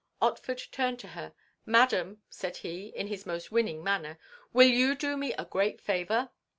Otford turned to her. "Madam," said he, in his most winning manner, "will you do me a great favour?"